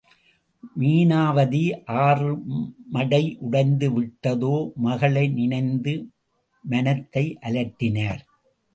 மீனாவதி ஆறு மடை உடைந்துவிட்டதோ, மகளை நினைந்து மனத்தை அலட்டினார்.